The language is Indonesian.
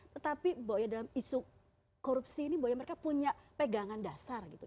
tetapi bahwa ya dalam isu korupsi ini bahwa ya mereka punya pegangan dasar gitu